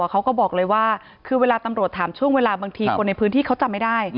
เขาก็บอกเลยว่าคือเวลาตำรวจถามช่วงเวลาบางทีคนในพื้นที่เขาจำไม่ได้